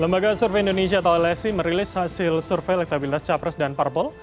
lembaga survei indonesia atau lsi merilis hasil survei elektabilitas capres dan parpol